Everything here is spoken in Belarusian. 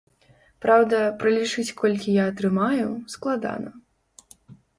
Праўда, пралічыць, колькі я атрымаю, складана.